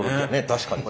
確かに。